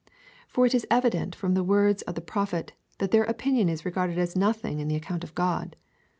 For it is evident from the words of the Prophet, that their opinion is regarded as nothing in the account of God.